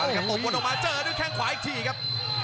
ตบวนออกมาเจอด้วยแข้งขวาอีกทีครับ